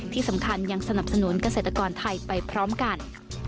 ที่สำคัญยังสนับสนุนเกษตรกรไทยไปพร้อมกัน